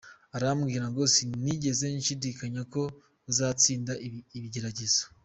Arambwira ngo "Sinigeze nshidikanya ko uzatsinda ibigeragezo.